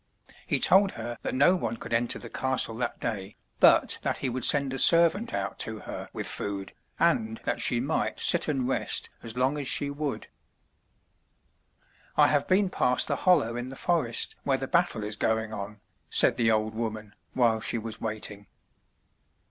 He told her that no one could enter the castle that day, but that he would send a servant out to her with food, and that she might sit and rest as long as she would. 207 MY BOOK HOUSE "I have been past the hollow in the forest where the battle is going on," said the old woman, while she was waiting.